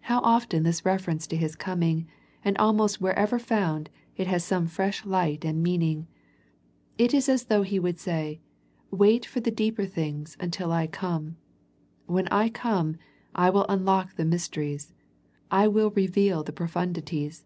How often this reference to His coming, and almost wherever found, it has some fresh light and meaning. It is as though He would say. Wait for the deeper things until I come. When I come I will unlock the mysteries, I will reveal the profundities.